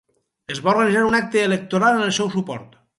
Es va organitzar un acte electoral en el seu suport.